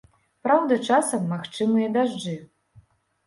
Праўда, часам магчымыя дажджы.